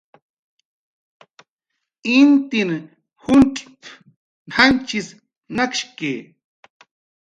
"Intin juncx'p"" janchis nakshki"